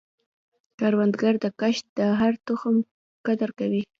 کروندګر د کښت د هر تخم قدر کوي